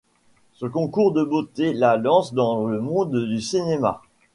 Ce concours de beauté la lance dans le monde du cinéma.